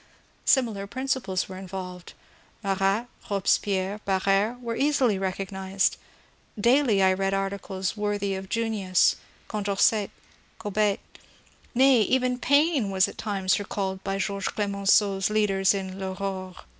Similar principles were involved ; Marat, Robespierre, Barere, were easily recognized ; daily I read articles worthy of Junius, Con dorcet, Cobbett, — nay, even Paine was at times recalled by George Clemenceau's leaders in " FAurore."